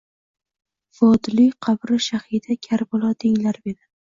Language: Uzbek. Vodiliy qabri shahidi Karbalo denglar meni.